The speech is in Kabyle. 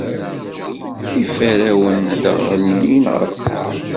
Iferrawen a d-ɣellin ɣer lqaɛa.